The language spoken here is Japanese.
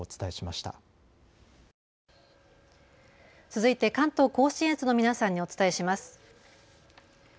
続いて関東甲信越の皆さんにお伝えします。